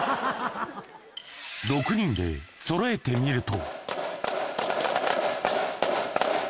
６人でそろえてみると。